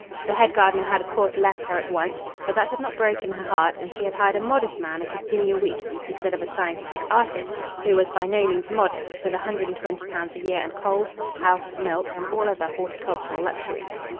The head gardener had of course left her at once; but that had not broken her heart, and she had hired a modest man at a guinea a week instead of a scientific artist, who was by no means modest, with a hundred and twenty pounds a year and coals, house, milk, and all other horticultural luxuries.